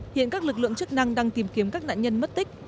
hiện các lực lượng chức năng đang tìm kiếm các nạn nhân mất tích